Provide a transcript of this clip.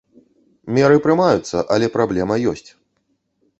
Меры прымаюцца, але праблема ёсць.